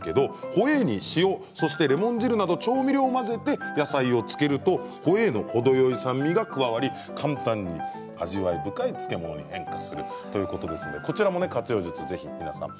ホエーに塩、そしてレモン汁など調味料を混ぜて野菜を漬けるとホエーの程よい酸味が加わり簡単に味わい深い漬物に変化するということです。